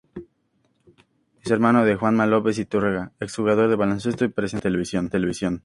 Es hermano de Juanma López Iturriaga, exjugador de baloncesto y presentador de televisión.